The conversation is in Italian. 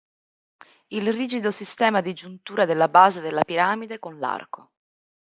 Il rigido sistema di giuntura della base della piramide con l'arco.